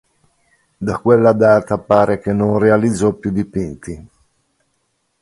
Da quella data pare che non realizzò più dipinti.